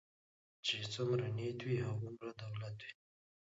چی څومره نيت وي هغومره دولت وي .